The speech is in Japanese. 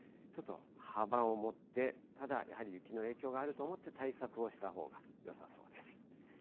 ちょっと幅を持って、ただやはり、雪の影響があると思って対策をしたほうがよさそうです。